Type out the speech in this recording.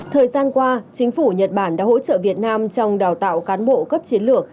thời gian qua chính phủ nhật bản đã hỗ trợ việt nam trong đào tạo cán bộ cấp chiến lược